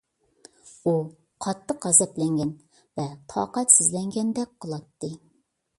ئۇ قاتتىق غەزەپلەنگەن ۋە تاقەتسىزلەنگەندەك قىلاتتى.